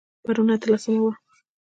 پرون اتلسمه وه